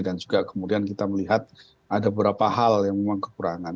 dan juga kemudian kita melihat ada beberapa hal yang memang kekurangan